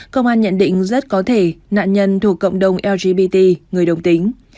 công an nhận định rất có thể nạn nhân thuộc cộng đồng lgbt người đồng tính